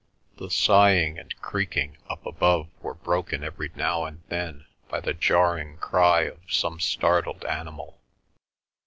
The sighing and creaking up above were broken every now and then by the jarring cry of some startled animal.